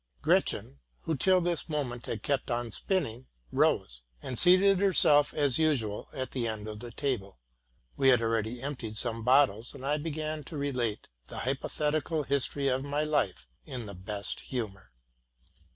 Gretchen, who till this moment had kept on spinning, rose, and seated herself as usual at the end of the table. We had already emptied some bottles, and I began to relate the hypo theticai history of my life in the best humor.